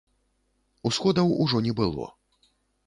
Усходаў ужо не было.